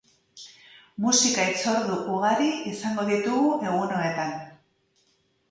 Musika-hitzordu ugari izango ditugu egunoetan.